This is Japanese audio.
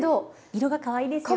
色がかわいいですよね。